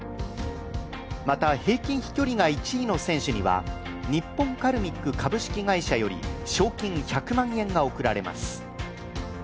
また、平均飛距離が１位の選手には日本カルミック株式会社より賞金１００万円が贈られます。